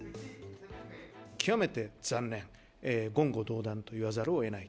極めて残念、言語道断と言わざるをえない。